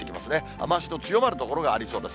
雨足の強まる所がありそうです。